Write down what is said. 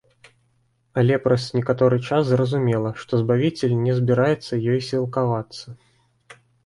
Але праз некаторы час зразумела, што збавіцель не збіраецца ёй сілкавацца.